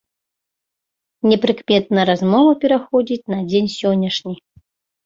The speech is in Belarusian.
Непрыкметна размова пераходзіць на дзень сённяшні.